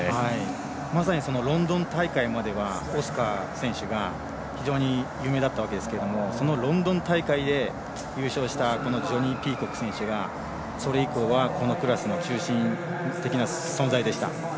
まさにロンドン大会まではオスカー選手が非常に有名だったわけなんですけどロンドン大会で優勝したジョニー・ピーコックがそのクラスの中心的な存在でした。